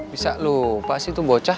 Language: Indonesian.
bisa lupa sih tuh bocah